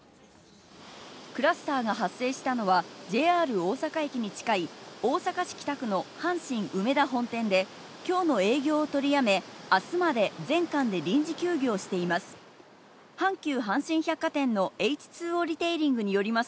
クラスターが発生したのは、ＪＲ大阪駅に近い大阪市北区の阪神梅田本店で、今日の営業を取りやめ、明日まで全館で臨時休業しています。